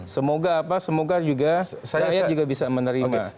semoga apa semoga juga rakyat juga bisa menerima